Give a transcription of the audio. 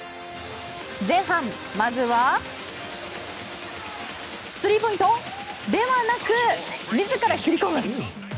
前半、まずはスリーポイントではなく自ら切り込む！